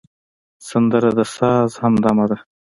سندره د ساز همدمه ده